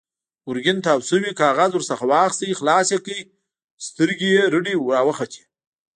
ګرګين تاو شوی کاغذ ور واخيست، خلاص يې کړ، سترګې يې رډې راوختې.